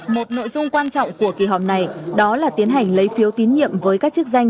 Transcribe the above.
một nội dung quan trọng của kỳ họp này đó là tiến hành lấy phiếu tín nhiệm với các chức danh